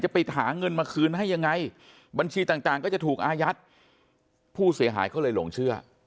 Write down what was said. ไปหาเงินมาคืนให้ยังไงบัญชีต่างก็จะถูกอายัดผู้เสียหายเขาเลยหลงเชื่อ